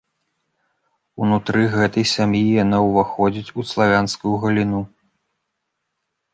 Унутры гэтай сям'і яна ўваходзіць у славянскую галіну.